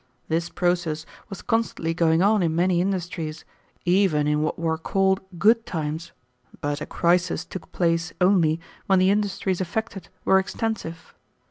This process was constantly going on in many industries, even in what were called good times, but a crisis took place only when the industries affected were extensive.